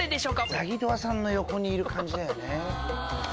ザギトワさんの横にいる感じだよね。